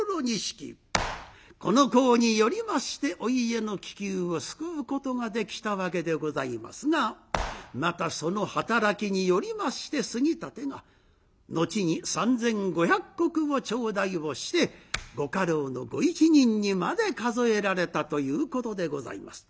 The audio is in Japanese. この功によりましてお家の危急を救うことができたわけでございますがまたその働きによりまして杉立が後に３，５００石を頂戴をしてご家老のご一人にまで数えられたということでございます。